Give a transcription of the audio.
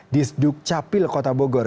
disduk capil kota bogor